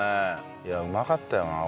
いやうまかったよなこれ。